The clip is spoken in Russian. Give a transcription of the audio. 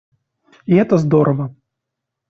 И это здорово.